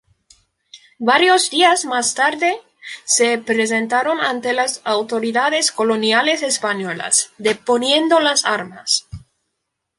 Varios días más tarde, se presentaron ante las autoridades coloniales españolas, deponiendo las armas.